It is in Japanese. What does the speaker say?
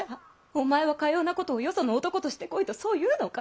お前はかようなことをよその男としてこいとそう言うのか！